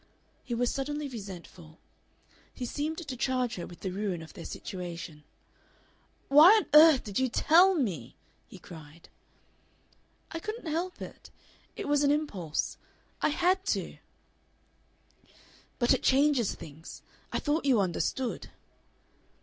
He was suddenly resentful. He seemed to charge her with the ruin of their situation. "Why on earth did you TELL me?" he cried. "I couldn't help it. It was an impulse. I HAD to." "But it changes things. I thought you understood."